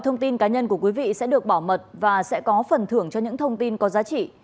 thông tin cá nhân của quý vị sẽ được bảo mật và sẽ có phần thưởng cho những thông tin có giá trị